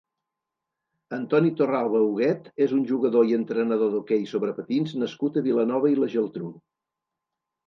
Antoni Torralba Huguet és un jugador i entrenador d'hoquei sobre patins nascut a Vilanova i la Geltrú.